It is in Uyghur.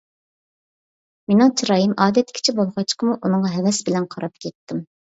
مېنىڭ چىرايىم ئادەتتىكىچە بولغاچقىمۇ ئۇنىڭغا ھەۋەس بىلەن قاراپ كەتتىم.